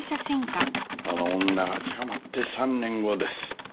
あの女が捕まって３年後です。